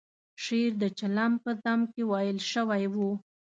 شعر د چلم په ذم کې ویل شوی و.